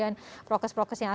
bagaimana khusus anda menurut anda